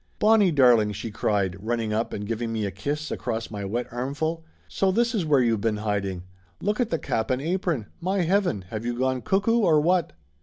"Bonnie darling!" she cried, running up and giving me a kiss across my wet armful. "So this is where you been hiding! Look at the cap and apron! My heaven, have you gone cuckoo, or what?"